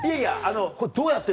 これどうやって？